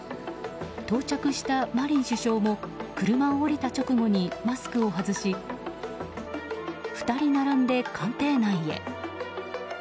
到着したマリン首相も車を降りた直後にマスクを外し２人並んで、官邸内へ。